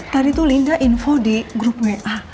tadi tuh linda info di grup wa